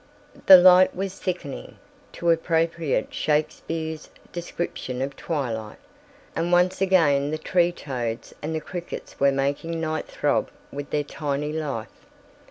"The light was thickening," to appropriate Shakespeare's description of twilight, and once again the tree toads and the crickets were making night throb with their tiny life.